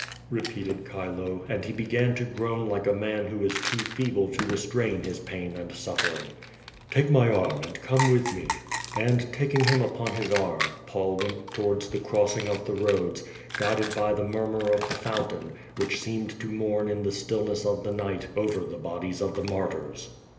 repeated Chilo, and he began to groan like .1 man who is too feeble to restrain his pain and suffering. "Take my arm, and come with me." And taking him upon his arm, Paul went towards the crossing of the roads, guided by the murmur of the fountain, which seemed to mourn in the stillness of the night, over the bodies of the martyrs.